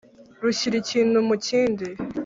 rushyira ikintu mu kindi